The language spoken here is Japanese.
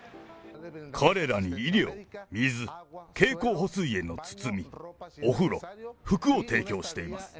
彼らに医療、水、経口補水塩の包み、お風呂、服を提供しています。